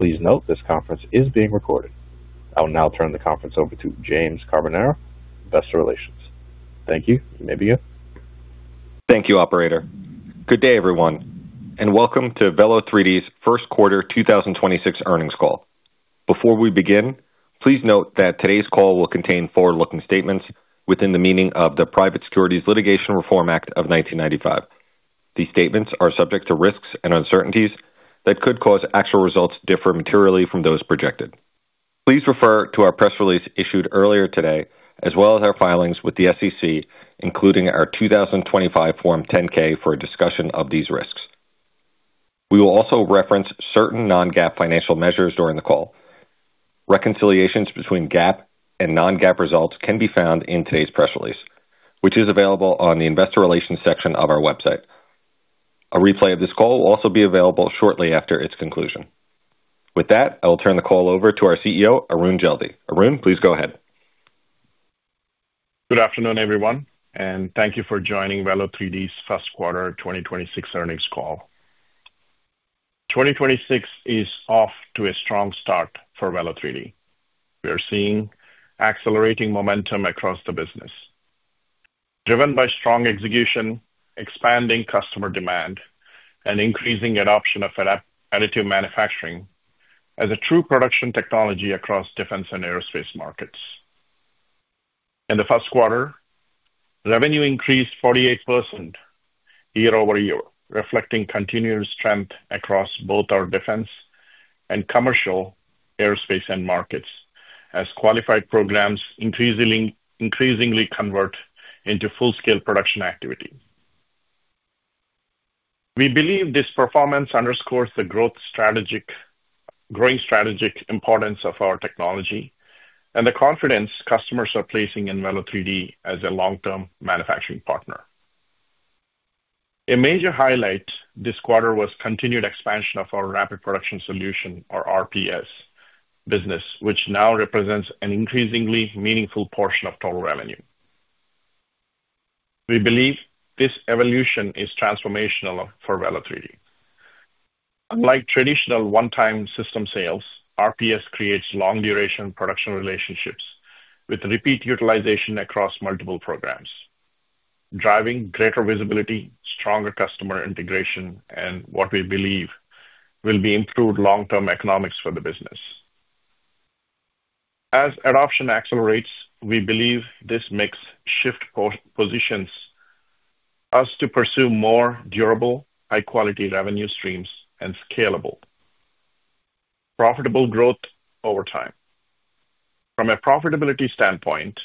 Please note this conference is being recorded. I will now turn the conference over to James Carbonara, Investor Relations. Thank you. You may begin. Thank you, operator. Good day, everyone, and welcome to Velo3D's first quarter 2026 earnings call. Before we begin, please note that today's call will contain forward-looking statements within the meaning of the Private Securities Litigation Reform Act of 1995. These statements are subject to risks and uncertainties that could cause actual results to differ materially from those projected. Please refer to our press release issued earlier today as well as our filings with the SEC, including our 2025 Form 10-K for a discussion of these risks. We will also reference certain non-GAAP financial measures during the call. Reconciliations between GAAP and non-GAAP results can be found in today's press release, which is available on the investor relations section of our website. A replay of this call will also be available shortly after its conclusion. With that, I will turn the call over to our CEO, Arun Jeldi. Arun, please go ahead. Good afternoon, everyone, and thank you for joining Velo3D's first quarter 2026 earnings call. 2026 is off to a strong start for Velo3D. We are seeing accelerating momentum across the business, driven by strong execution, expanding customer demand, and increasing adoption of additive manufacturing as a true production technology across defense and aerospace markets. In the first quarter, revenue increased 48% year-over-year, reflecting continuous strength across both our defense and commercial aerospace end markets as qualified programs increasingly convert into full-scale production activity. We believe this performance underscores the growing strategic importance of our technology and the confidence customers are placing in Velo3D as a long-term manufacturing partner. A major highlight this quarter was continued expansion of our Rapid Production Solution or RPS business, which now represents an increasingly meaningful portion of total revenue. We believe this evolution is transformational for Velo3D. Unlike traditional one-time system sales, RPS creates long-duration production relationships with repeat utilization across multiple programs, driving greater visibility, stronger customer integration, and what we believe will be improved long-term economics for the business. As adoption accelerates, we believe this mix shift positions us to pursue more durable, high-quality revenue streams and scalable profitable growth over time. From a profitability standpoint,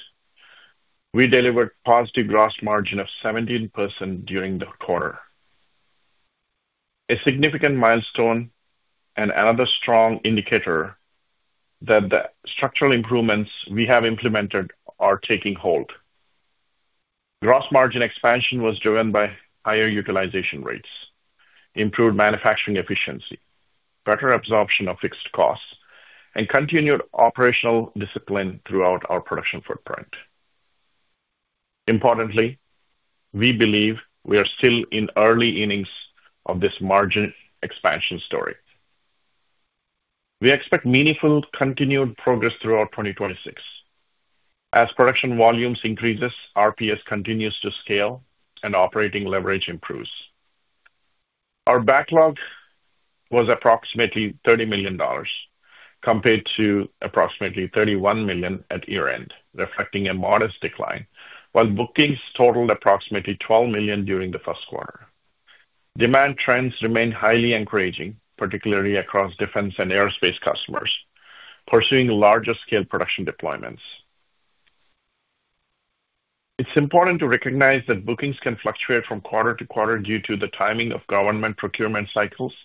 we delivered positive gross margin of 17% during the quarter. A significant milestone and another strong indicator that the structural improvements we have implemented are taking hold. Gross margin expansion was driven by higher utilization rates, improved manufacturing efficiency, better absorption of fixed costs, and continued operational discipline throughout our production footprint. Importantly, we believe we are still in early innings of this margin expansion story. We expect meaningful continued progress throughout 2026. As production volumes increases, RPS continues to scale and operating leverage improves. Our backlog was approximately $30 million compared to approximately $31 million at year-end, reflecting a modest decline, while bookings totaled approximately $12 million during the first quarter. Demand trends remain highly encouraging, particularly across defense and aerospace customers pursuing larger scale production deployments. It's important to recognize that bookings can fluctuate from quarter to quarter due to the timing of government procurement cycles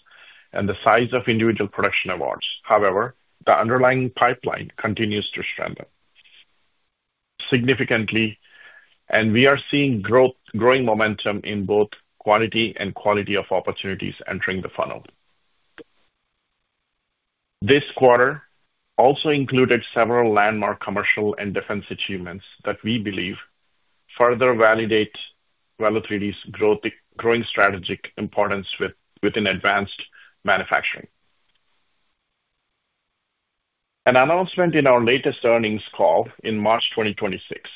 and the size of individual production awards. The underlying pipeline continues to strengthen significantly, and we are seeing growing momentum in both quality of opportunities entering the funnel. This quarter also included several landmark commercial and defense achievements that we believe further validate Velo3D's growing strategic importance within advanced manufacturing. An announcement in our latest earnings call in March 2026.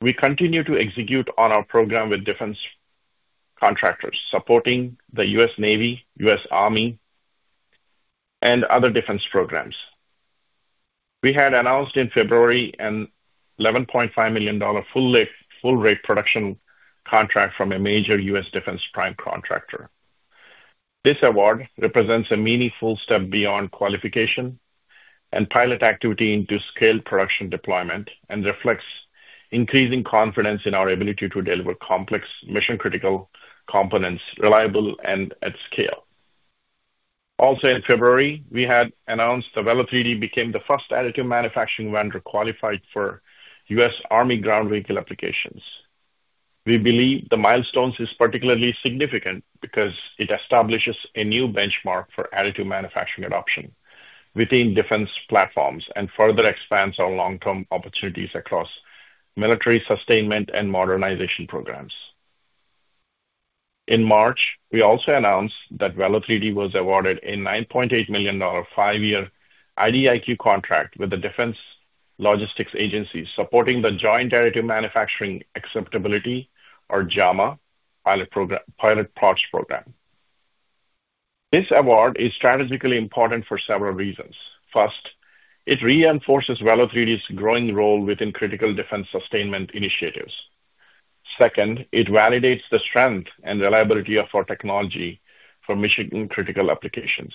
We continue to execute on our program with defense contractors supporting the U.S. Navy, U.S. Army, and other defense programs. We had announced in February an $11.5 million full rate production contract from a major U.S. defense prime contractor. This award represents a meaningful step beyond qualification and pilot activity into scale production deployment and reflects increasing confidence in our ability to deliver complex mission-critical components reliable and at scale. Also in February, we had announced that Velo3D became the first additive manufacturing vendor qualified for U.S. Army ground vehicle applications. We believe the milestone is particularly significant because it establishes a new benchmark for additive manufacturing adoption within defense platforms and further expands our long-term opportunities across military sustainment and modernization programs. In March, we also announced that Velo3D was awarded a $9.8 million five-year IDIQ contract with the Defense Logistics Agency, supporting the Joint Additive Manufacturing Acceptability, or JAMA Pilot Program, Pilot Parts Program. This award is strategically important for several reasons. First, it reinforces Velo3D's growing role within critical defense sustainment initiatives. Second, it validates the strength and reliability of our technology for mission-critical applications.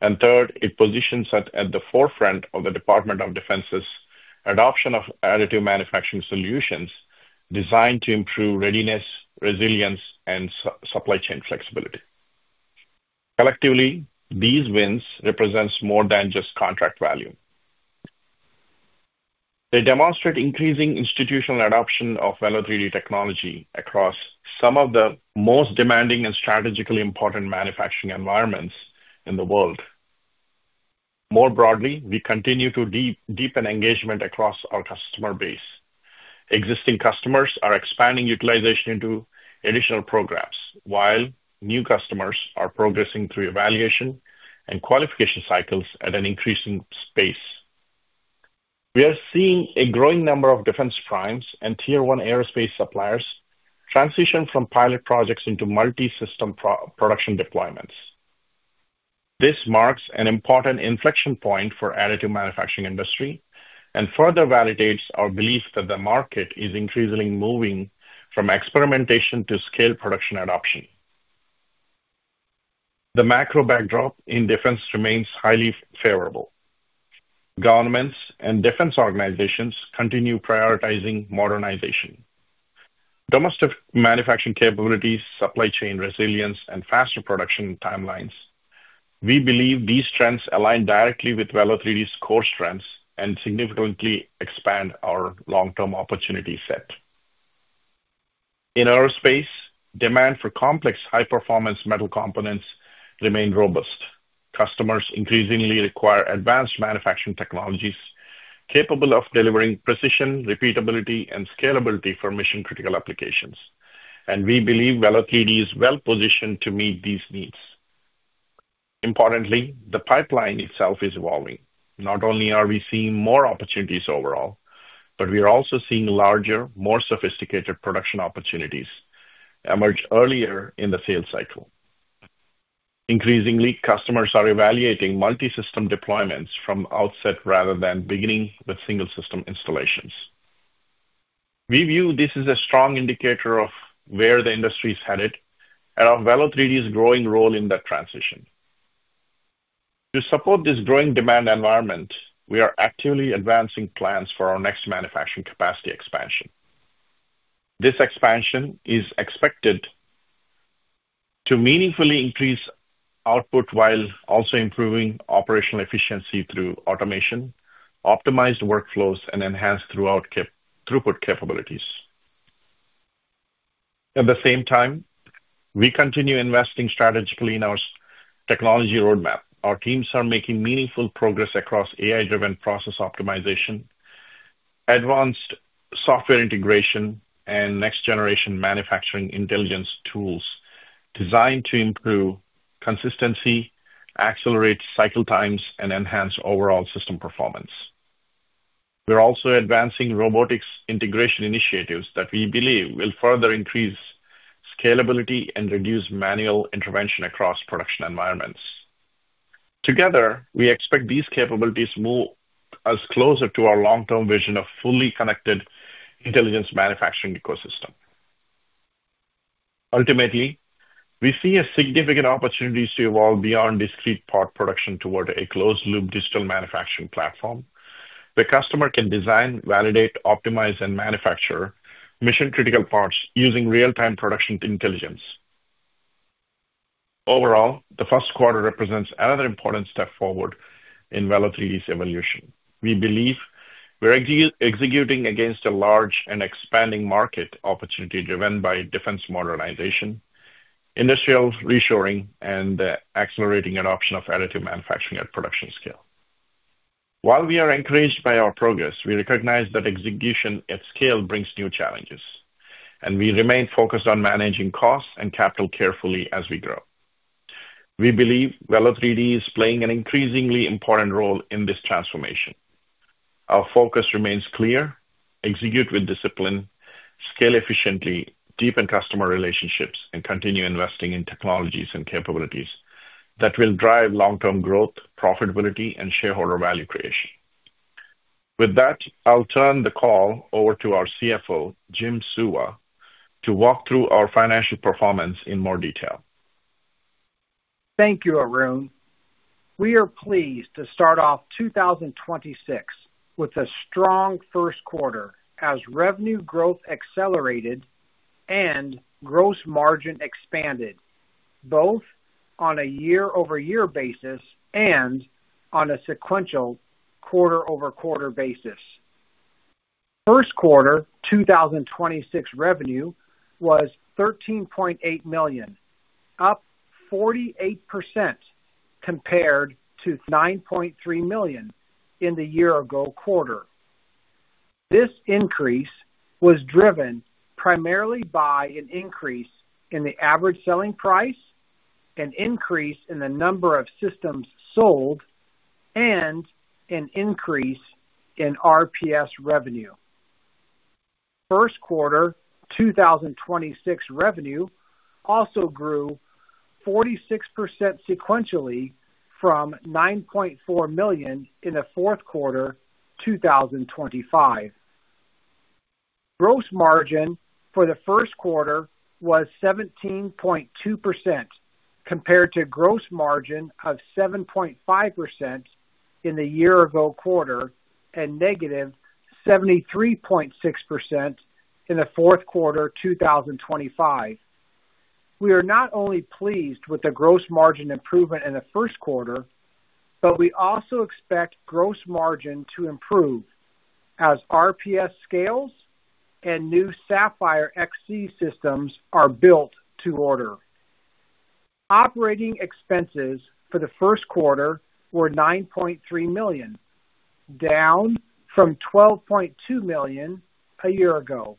Third, it positions us at the forefront of the Department of Defense's adoption of additive manufacturing solutions designed to improve readiness, resilience, and supply chain flexibility. Collectively, these wins represents more than just contract value. They demonstrate increasing institutional adoption of Velo3D technology across some of the most demanding and strategically important manufacturing environments in the world. More broadly, we continue to deepen engagement across our customer base. Existing customers are expanding utilization into additional programs, while new customers are progressing through evaluation and qualification cycles at an increasing pace. We are seeing a growing number of defense primes and tier-1 aerospace suppliers transition from pilot projects into multi-system production deployments. This marks an important inflection point for additive manufacturing industry and further validates our belief that the market is increasingly moving from experimentation to scale production adoption. The macro backdrop in defense remains highly favorable. Governments and defense organizations continue prioritizing modernization, domestic manufacturing capabilities, supply chain resilience, and faster production timelines. We believe these trends align directly with Velo3D's core strengths and significantly expand our long-term opportunity set. In aerospace, demand for complex high-performance metal components remain robust. Customers increasingly require advanced manufacturing technologies capable of delivering precision, repeatability, and scalability for mission-critical applications, and we believe Velo3D is well-positioned to meet these needs. Importantly, the pipeline itself is evolving. Not only are we seeing more opportunities overall, but we are also seeing larger, more sophisticated production opportunities emerge earlier in the sales cycle. Increasingly, customers are evaluating multi-system deployments from outset rather than beginning with single system installations. We view this as a strong indicator of where the industry is headed and of Velo3D's growing role in that transition. To support this growing demand environment, we are actively advancing plans for our next manufacturing capacity expansion. This expansion is expected to meaningfully increase output while also improving operational efficiency through automation, optimized workflows, and enhanced throughput capabilities. At the same time, we continue investing strategically in our technology roadmap. Our teams are making meaningful progress across AI-driven process optimization, advanced software integration, and next-generation manufacturing intelligence tools designed to improve consistency, accelerate cycle times, and enhance overall system performance. We're also advancing robotics integration initiatives that we believe will further increase scalability and reduce manual intervention across production environments. Together, we expect these capabilities move us closer to our long-term vision of fully connected intelligence manufacturing ecosystem. Ultimately, we see a significant opportunity to evolve beyond discrete part production toward a closed-loop digital manufacturing platform where customer can design, validate, optimize, and manufacture mission-critical parts using real-time production intelligence. Overall, the first quarter represents another important step forward in Velo3D's evolution. We believe we're executing against a large and expanding market opportunity driven by defense modernization, industrial reshoring, and the accelerating adoption of additive manufacturing at production scale. While we are encouraged by our progress, we recognize that execution at scale brings new challenges, and we remain focused on managing costs and capital carefully as we grow. We believe Velo3D is playing an increasingly important role in this transformation. Our focus remains clear: execute with discipline, scale efficiently, deepen customer relationships, and continue investing in technologies and capabilities that will drive long-term growth, profitability, and shareholder value creation. With that, I'll turn the call over to our CFO, Jim Suva, to walk through our financial performance in more detail. Thank you, Arun. We are pleased to start off 2026 with a strong first quarter as revenue growth accelerated and gross margin expanded, both on a year-over-year basis and on a sequential quarter-over-quarter basis. First quarter 2026 revenue was $13.8 million, up 48% compared to $9.3 million in the year-ago quarter. This increase was driven primarily by an increase in the average selling price, an increase in the number of systems sold, and an increase in RPS revenue. First quarter 2026 revenue also grew 46% sequentially from $9.4 million in the fourth quarter 2025. Gross margin for the first quarter was 17.2% compared to gross margin of 7.5% in the year-ago quarter and -73.6% in the fourth quarter 2025. We are not only pleased with the gross margin improvement in the first quarter, but we also expect gross margin to improve as RPS scales and new Sapphire XC systems are built to order. Operating expenses for the first quarter were $9.3 million, down from $12.2 million a year ago.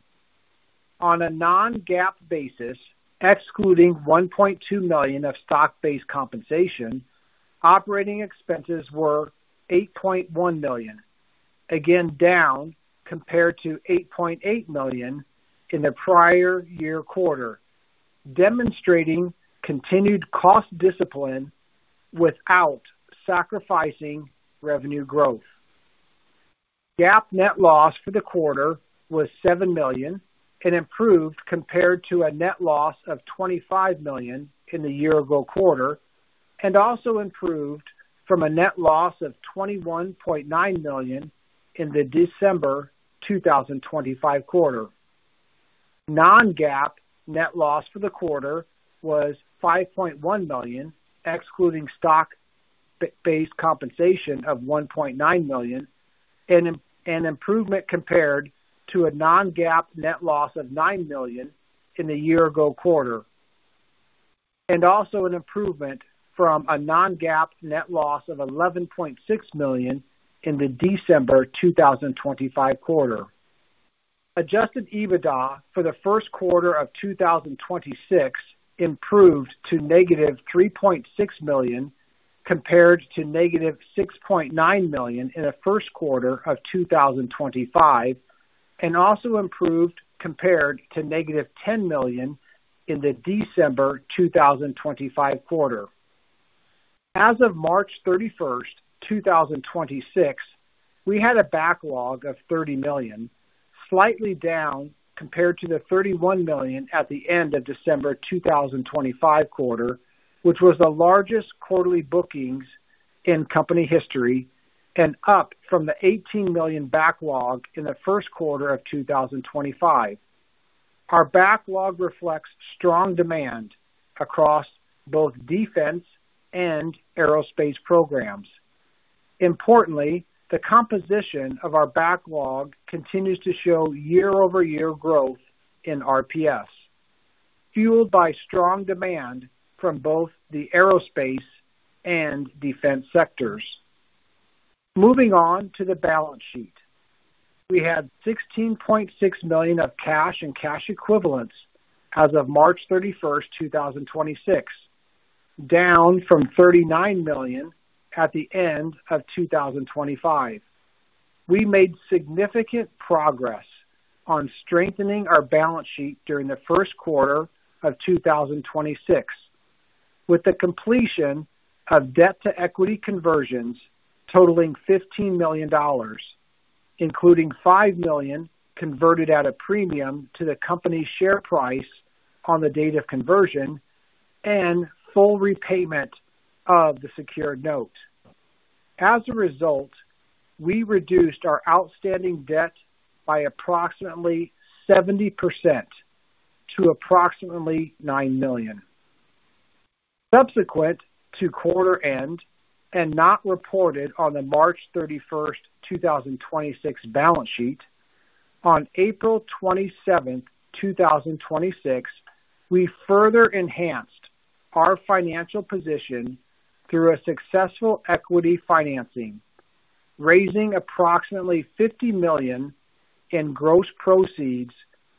On a non-GAAP basis, excluding $1.2 million of stock-based compensation, operating expenses were $8.1 million, again down compared to $8.8 million in the prior year quarter, demonstrating continued cost discipline without sacrificing revenue growth. GAAP net loss for the quarter was $7 million and improved compared to a net loss of $25 million in the year-ago quarter, and also improved from a net loss of $21.9 million in the December 2025 quarter. Non-GAAP net loss for the quarter was $5.1 million, excluding stock based compensation of $1.9 million, an improvement compared to a non-GAAP net loss of $9 million in the year-ago quarter. Also an improvement from a non-GAAP net loss of $11.6 million in the December 2025 quarter. Adjusted EBITDA for the first quarter of 2026 improved to -$3.6 million compared to -$6.9 million in the first quarter of 2025, also improved compared to -$10 million in the December 2025 quarter. As of March 31st, 2026, we had a backlog of $30 million, slightly down compared to the $31 million at the end of December 2025 quarter, which was the largest quarterly bookings in company history and up from the $18 million backlog in the first quarter of 2025. Our backlog reflects strong demand across both defense and aerospace programs. Importantly, the composition of our backlog continues to show year-over-year growth in RPS, fueled by strong demand from both the aerospace and defense sectors. Moving on to the balance sheet. We had $16.6 million of cash and cash equivalents as of March 31st, 2026, down from $39 million at the end of 2025. We made significant progress on strengthening our balance sheet during the first quarter of 2026 with the completion of debt-to-equity conversions totaling $15 million, including $5 million converted at a premium to the company's share price on the date of conversion and full repayment of the secured note. As a result, we reduced our outstanding debt by approximately 70% to approximately $9 million. Subsequent to quarter end and not reported on the March 31st, 2026 balance sheet, on April 27th, 2026, we further enhanced our financial position through a successful equity financing, raising approximately $50 million in gross proceeds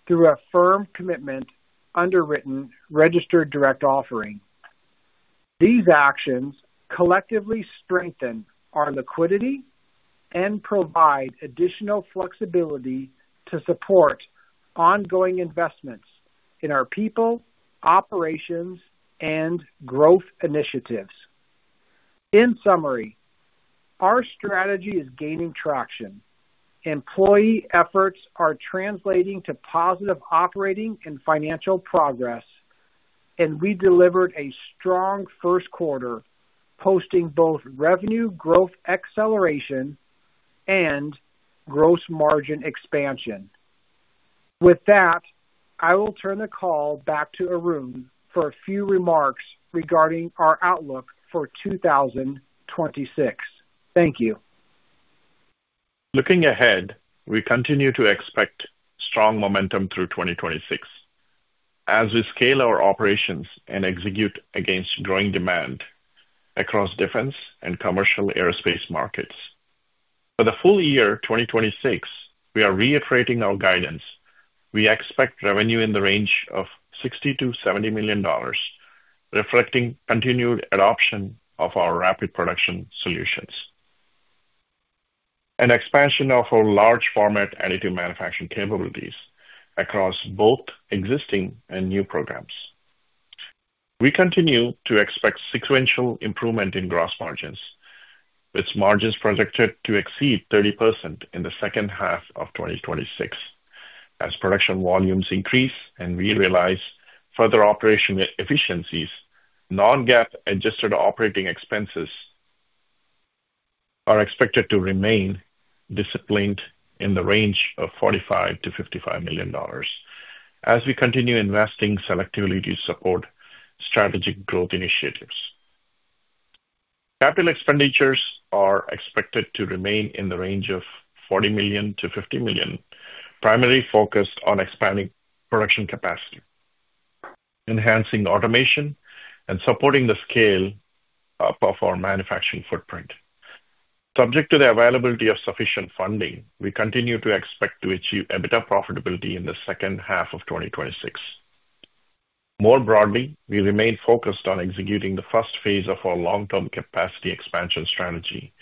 through a firm commitment underwritten registered direct offering. These actions collectively strengthen our liquidity and provide additional flexibility to support ongoing investments in our people, operations, and growth initiatives. In summary, our strategy is gaining traction. Employee efforts are translating to positive operating and financial progress. We delivered a strong first quarter, posting both revenue growth acceleration and gross margin expansion. With that, I will turn the call back to Arun for a few remarks regarding our outlook for 2026. Thank you. Looking ahead, we continue to expect strong momentum through 2026. As we scale our operations and execute against growing demand across defense and commercial aerospace markets. For the full year 2026, we are reiterating our guidance. We expect revenue in the range of $60 million-$70 million, reflecting continued adoption of our Rapid Production Solutions, an expansion of our large format additive manufacturing capabilities across both existing and new programs. We continue to expect sequential improvement in gross margins, with margins projected to exceed 30% in the second half of 2026 as production volumes increase and we realize further operation efficiencies. Non-GAAP adjusted operating expenses are expected to remain disciplined in the range of $45 million-$55 million as we continue investing selectively to support strategic growth initiatives. Capital expenditures are expected to remain in the range of $40 million-$50 million, primarily focused on expanding production capacity, enhancing automation, and supporting the scale up of our manufacturing footprint. Subject to the availability of sufficient funding, we continue to expect to achieve EBITDA profitability in the second half of 2026. More broadly, we remain focused on executing the first phase of our long-term capacity expansion strategy,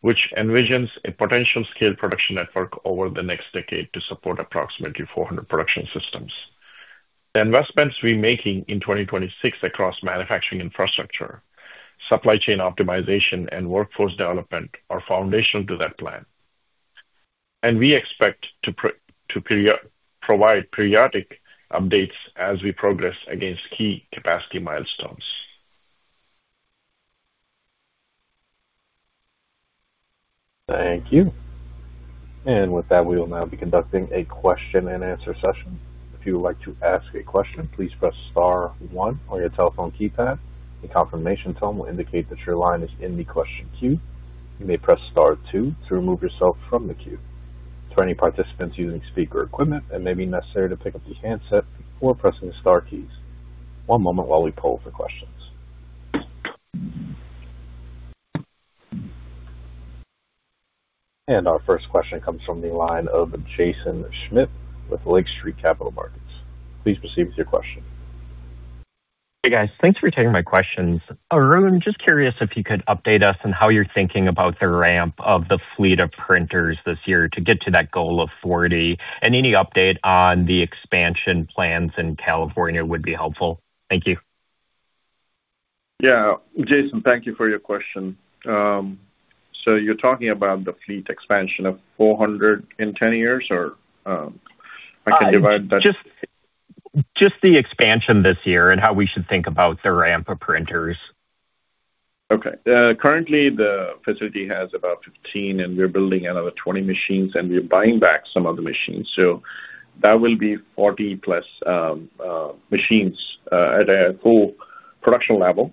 which envisions a potential scaled production network over the next decade to support approximately 400 production systems. The investments we're making in 2026 across manufacturing infrastructure, supply chain optimization, and workforce development are foundational to that plan. We expect to provide periodic updates as we progress against key capacity milestones. Thank you. With that, we will now be conducting a question and answer session. If you would like to ask a question, please press star one on your telephone keypad. A confirmation tone will indicate that your line is in the question queue. You may press star two to remove yourself from the queue. For any participants using speaker equipment, it may be necessary to pick up the handset before pressing the star keys. One moment while we poll for questions. Our first question comes from the line of Jaeson Schmidt with Lake Street Capital Markets. Please proceed with your question. Hey, guys. Thanks for taking my questions. Arun, just curious if you could update us on how you're thinking about the ramp of the fleet of printers this year to get to that goal of 40. Any update on the expansion plans in California would be helpful. Thank you. Yeah. Jaeson, thank you for your question. You're talking about the fleet expansion of 400 in 10 years or? Just the expansion this year and how we should think about the ramp of printers. Okay. Currently the facility has about 15, we're building another 20 machines, we're buying back some of the machines. That will be 40+ machines at a full production level.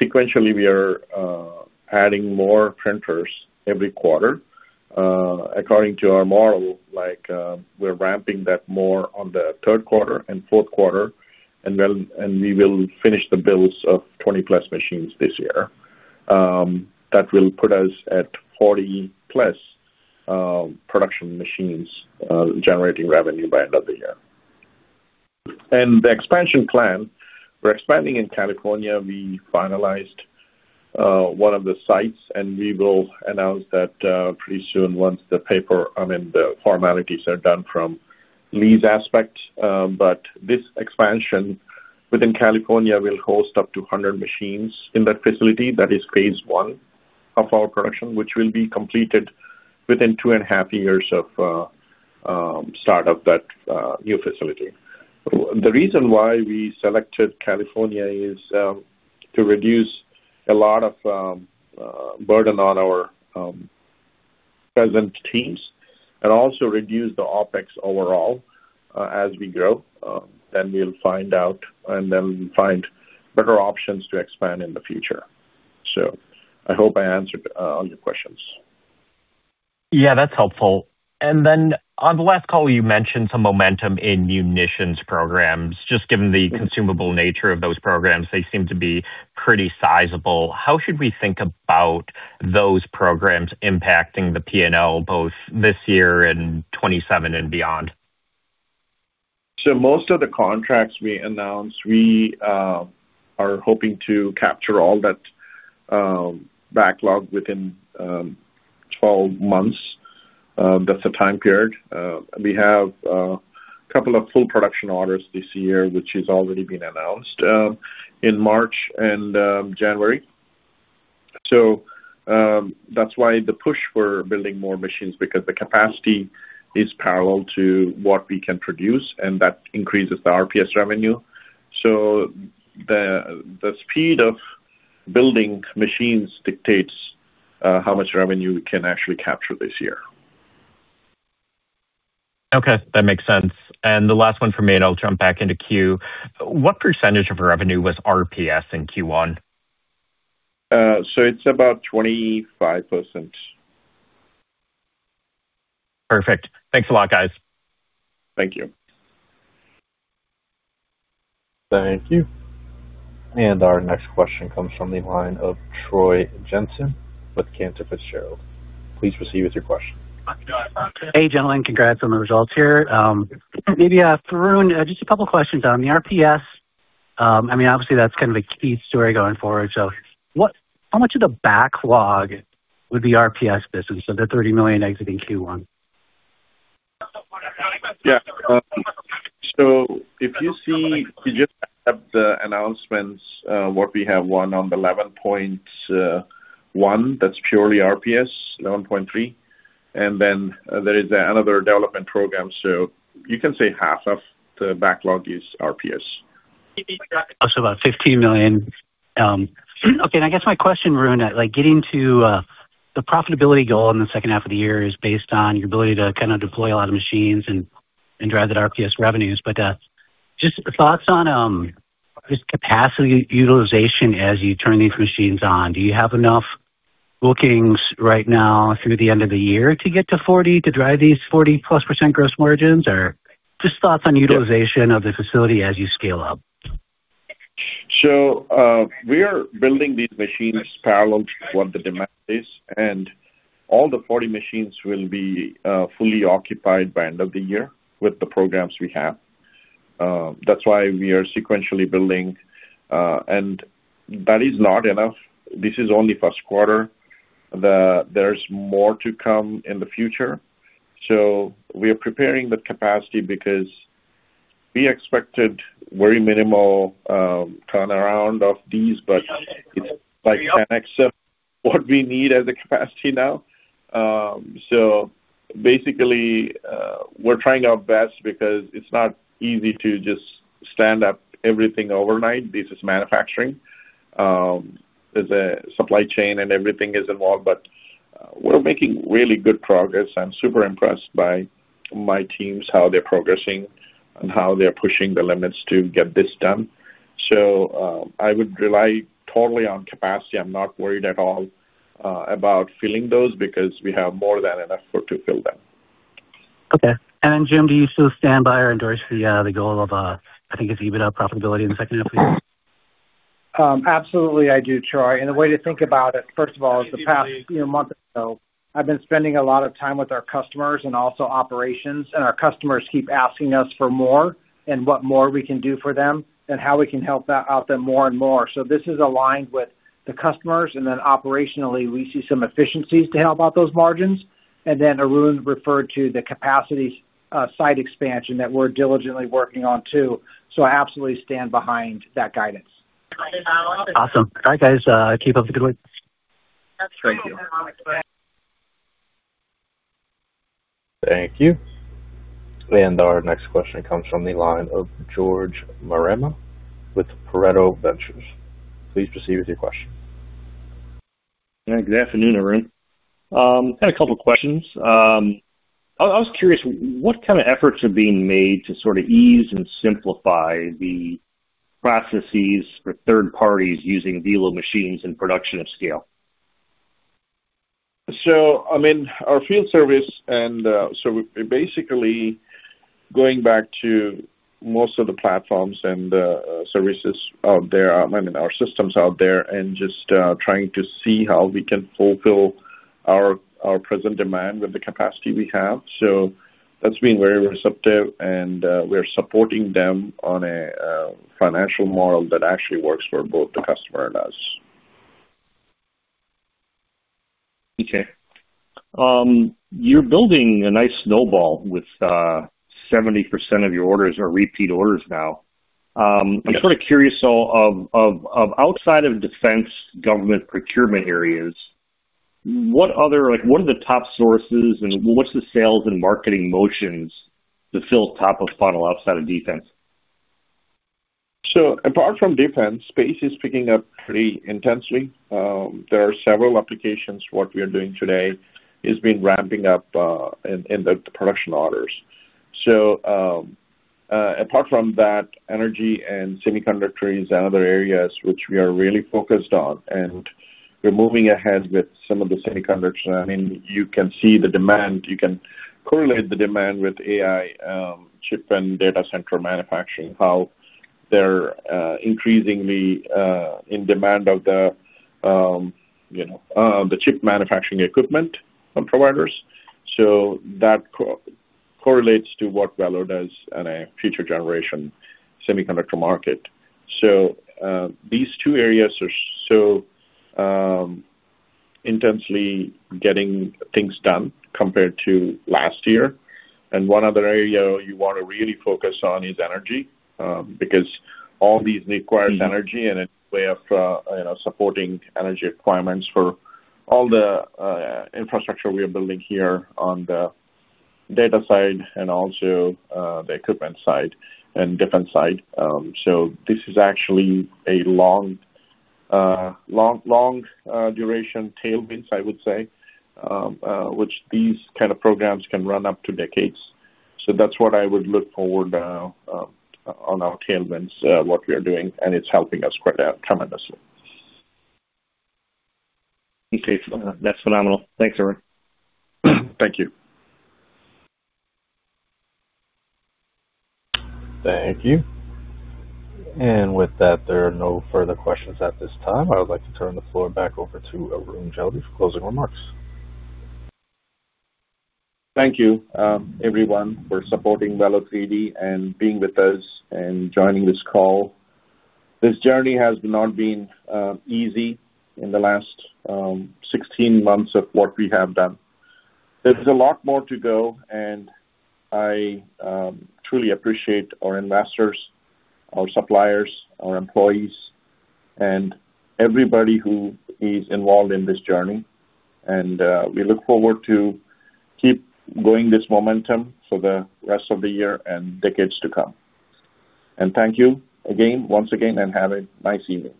Sequentially, we are adding more printers every quarter. According to our model, like, we're ramping that more on the third quarter and fourth quarter, we will finish the builds of 20+ machines this year. That will put us at 40+ production machines generating revenue by end of the year. The expansion plan, we're expanding in California. We finalized one of the sites, and we will announce that pretty soon once the paper, I mean, the formalities are done from lease aspect. This expansion within California will host up to 100 machines in that facility. That is phase 1 of our production, which will be completed within two and a half years of start of that new facility. The reason why we selected California is to reduce a lot of burden on our present teams and also reduce the OpEx overall as we grow. We'll find out and then find better options to expand in the future. I hope I answered all your questions. Yeah, that's helpful. On the last call, you mentioned some momentum in munitions programs. Just given the consumable nature of those programs, they seem to be pretty sizable. How should we think about those programs impacting the P&L both this year and 2027 and beyond? Most of the contracts we announced, we are hoping to capture all that backlog within 12 months. That's the time period. We have a couple of full production orders this year, which has already been announced in March and January. That's why the push for building more machines, because the capacity is parallel to what we can produce, and that increases the RPS revenue. The speed of building machines dictates how much revenue we can actually capture this year. Okay, that makes sense. The last one from me, and I'll jump back into queue. What percentage of revenue was RPS in Q1? It's about 25%. Perfect. Thanks a lot, guys. Thank you. Thank you. Our next question comes from the line of Troy Jensen with Cantor Fitzgerald. Please proceed with your question. Hey, gentlemen. Congrats on the results here. Maybe, Arun, just a couple of questions on the RPS. I mean, obviously that's kind of a key story going forward. How much of the backlog with the RPS business of the $30 million exiting Q1? Yeah. If you see, we just have the announcements, what we have won on the 11.1, that's purely RPS, 11.3. There is another development program. You can say half of the backlog is RPS. About $15 million. Okay. I guess my question, Arun, like getting to the profitability goal in the second half of the year is based on your ability to kind of deploy a lot of machines and drive the RPS revenues. Just thoughts on capacity utilization as you turn these machines on. Do you have enough bookings right now through the end of the year to get to 40 to drive these 40%+ gross margins? Or just thoughts on utilization of the facility as you scale up. We are building these machines parallel to what the demand is, and all the 40 machines will be fully occupied by end of the year with the programs we have. That's why we are sequentially building. That is not enough. This is only first quarter. There's more to come in the future. We are preparing the capacity because we expected very minimal turnaround of these, but it's like 10x of what we need as a capacity now. Basically, we're trying our best because it's not easy to just stand up everything overnight. This is manufacturing. The supply chain and everything is involved, but we're making really good progress. I'm super impressed by my teams, how they're progressing and how they're pushing the limits to get this done. I would rely totally on capacity. I'm not worried at all, about filling those because we have more than enough work to fill them. Okay. Jim, do you still stand by or endorse the goal of, I think it's EBITDA profitability in the second half of the year? Absolutely I do, Troy. The way to think about it, first of all, is the past, you know, month or so, I've been spending a lot of time with our customers and also operations, and our customers keep asking us for more and what more we can do for them and how we can help out them more and more. This is aligned with the customers. Then operationally, we see some efficiencies to help out those margins. Then Arun referred to the capacity site expansion that we're diligently working on too. I absolutely stand behind that guidance. Awesome. All right, guys, keep up the good work. Thank you. Thank you. Our next question comes from the line of George Marema with Pareto Ventures. Please proceed with your question. Good afternoon, everyone. Got a couple questions. I was curious, what kind of efforts are being made to sort of ease and simplify the processes for third parties using Velo machines in production of scale? I mean, our field service and, basically going back to most of the platforms and, services out there, I mean, our systems out there, and just, trying to see how we can fulfill our present demand with the capacity we have. That's been very receptive, and, we're supporting them on a financial model that actually works for both the customer and us. Okay. You're building a nice snowball with 70% of your orders are repeat orders now. I'm sort of curious, of outside of defense government procurement areas, what are the top sources and what's the sales and marketing motions to fill top of funnel outside of defense? Apart from defense, space is picking up pretty intensely. There are several applications. What we are doing today is been ramping up in the production orders. Apart from that, energy and semiconductor is another areas which we are really focused on, and we're moving ahead with some of the semiconductors. I mean, you can see the demand. You can correlate the demand with AI chip and data center manufacturing, how they're increasingly in demand of the, you know, the chip manufacturing equipment providers. That co-correlates to what Velo does in a future generation semiconductor market. These two areas are so intensely getting things done compared to last year. One other area you want to really focus on is energy, because all these requires energy and a way of, you know, supporting energy requirements for all the infrastructure we are building here on the data side and also the equipment side and different side. This is actually a long, long, long duration tailwinds, I would say, which these kind of programs can run up to decades. That's what I would look forward on our tailwinds, what we are doing, and it's helping us quite out tremendously. Okay. That's phenomenal. Thanks, Arun. Thank you. Thank you. With that, there are no further questions at this time. I would like to turn the floor back over to Arun Jeldi for closing remarks. Thank you, everyone for supporting Velo3D and being with us and joining this call. This journey has not been easy in the last 16 months of what we have done. There's a lot more to go. I truly appreciate our investors, our suppliers, our employees, and everybody who is involved in this journey. We look forward to keep going this momentum for the rest of the year and decades to come. Thank you again, once again, and have a nice evening.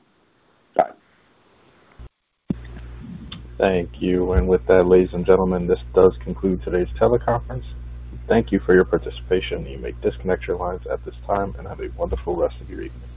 Bye. Thank you. With that, ladies and gentlemen, this does conclude today's teleconference. Thank you for your participation. You may disconnect your lines at this time, and have a wonderful rest of your evening.